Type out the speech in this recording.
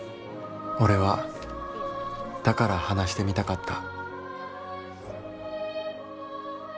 「俺はだから話してみたかった」。